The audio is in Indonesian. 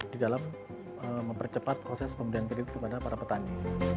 di dalam mempercepat proses pemberian kredit kepada para petani